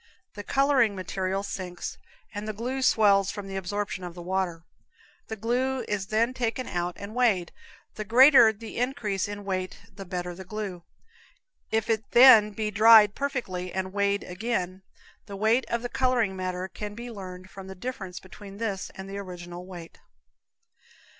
The coloring material sinks, and the glue swells from the absorption of the water. The glue is then taken out and weighed; the greater the increase in weight the better the glue. If it then be dried perfectly and weighed again, the weight of the coloring matter can be learned from the difference between this and the original weight.